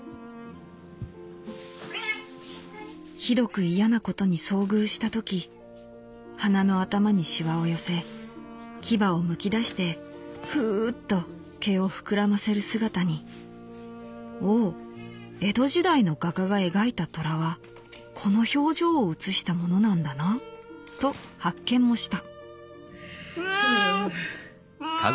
「ひどく嫌なことに遭遇した時鼻の頭に皺を寄せ牙を剥き出してフウッと毛を膨らませる姿に『おお江戸時代の画家が描いた虎はこの表情を写したものなんだな』と発見もした」。